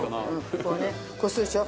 こうねこうするでしょ？